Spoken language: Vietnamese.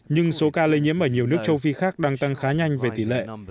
nhưng số ca lây nhiễm ở nhiều nước châu phi khác đang tăng khá nhanh về tỷ lệ